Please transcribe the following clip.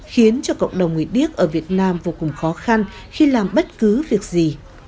khiến cho cộng đồng người điếc ở việt nam vô cùng khó khăn khi làm bất cứ việc gì